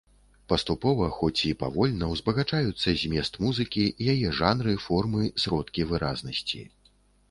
Паступова, хоць і павольна, узбагачаюцца змест музыкі, яе жанры, формы, сродкі выразнасці.